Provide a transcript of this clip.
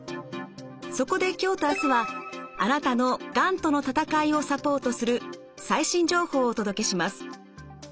そこで今日と明日はあなたのがんとの闘いをサポートする最新情報をお届けします。